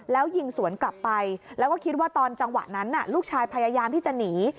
แล้วยิงสวนกลับไปแล้วก็คิดว่าตอนจังหวะนั้นลูกชายพยายามที่จะหนี